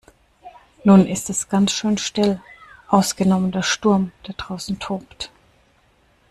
Nun ist es ganz schön still, ausgenommen der Sturm, der draußen tobt.